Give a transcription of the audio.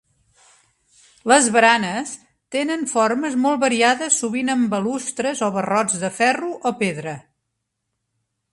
Les baranes tenen formes molt variades sovint amb balustres o barrots de ferro o pedra.